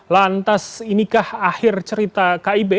lantas inikah akhir cerita kib